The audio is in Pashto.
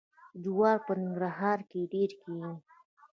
جوار په ننګرهار کې ډیر کیږي.